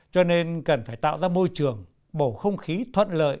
cho nên cần phải tạo ra môi trường bầu không khí thuận lợi